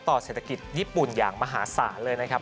เศรษฐกิจญี่ปุ่นอย่างมหาศาลเลยนะครับ